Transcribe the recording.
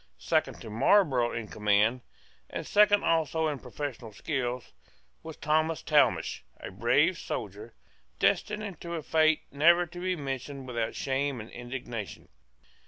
Second to Marlborough in command, and second also in professional skill, was Thomas Talmash, a brave soldier, destined to a fate never to be mentioned without shame and indignation.